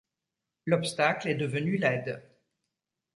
L’obstacle est devenu l’aide.